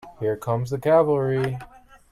Here comes the cavalry.